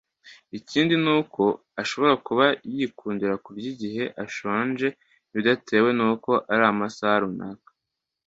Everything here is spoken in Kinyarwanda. Ikindi ni uko ashobora kuba yikundira kurya igihe ashonje bidatewe n’uko ari amasaha runaka